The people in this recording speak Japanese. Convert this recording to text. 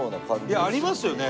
いやありますよね。